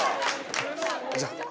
じゃあ。